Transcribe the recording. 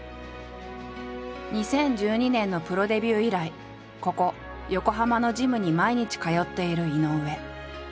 ２０１２年のプロデビュー以来ここ横浜のジムに毎日通っている井上。